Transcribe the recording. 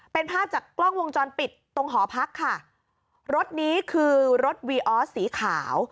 เป็นภาพจากกล้องวงจรปิดตรงหอพักค่ะรถนี้คือรถวีออสสีขาว